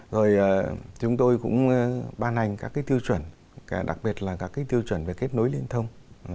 rồi chúng tôi cũng ban hành các cái tiêu chuẩn đặc biệt là các cái tiêu chuẩn về kết nối liên thông